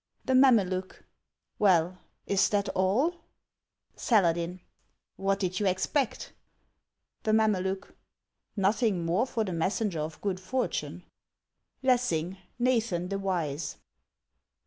The Mameluke. Well, is that all ? Saladin. What did you expect ? The Mameluke. Nothing more for the messenger of good fortune. LESSIXG : Xathan the Wise.